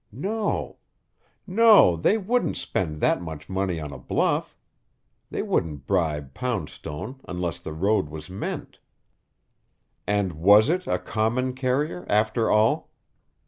... No no, they wouldn't spend that much money on a bluff; they wouldn't bribe Poundstone unless the road was meant. And was it a common carrier, after all?